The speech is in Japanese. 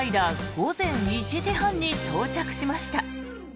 午前１時半に到着しました。